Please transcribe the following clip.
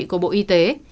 của bộ y tế